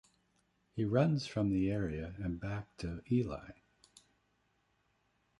He runs from the area and back to Eli.